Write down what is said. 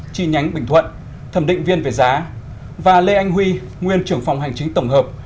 chi nhánh bình thuận thẩm định viên về giá và lê anh huy nguyên trưởng phòng hành chính tổng hợp